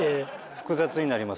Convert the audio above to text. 複雑になりますよね